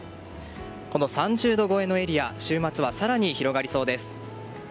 この３０度超えのエリア週末は更に広がりそうです。